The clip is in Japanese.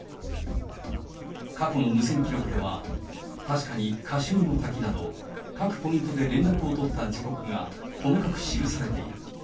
過去の無線記録では、確かにカシュニの滝など、各ポイントで連絡を取った時刻が細かく記されている。